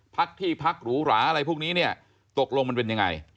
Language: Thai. พักที่พักหรูหราอะไรพวกนี้เนี่ยตกลงมันเป็นยังไง